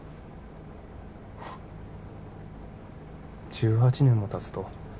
１８年もたつと